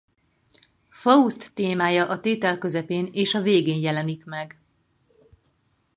Faust témája a tétel közepén és a végén jelenik meg.